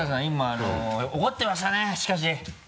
今怒ってましたねしかし。